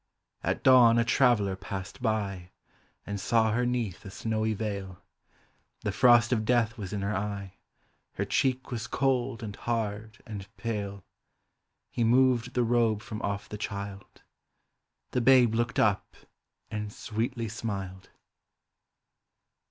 At dawn a traveller passed by, And saw her 'neath a snowy veil ; The frost of death was in her eye, IJer cheek was cold and hard and pale. He moved the robe from otf the child,— The babe looked up and sweetly smiled